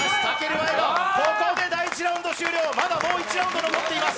ここで第１ラウンド終了、まだもう１ラウンド残っています。